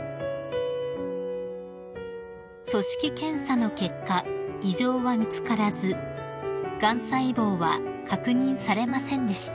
［組織検査の結果異常は見つからずがん細胞は確認されませんでした］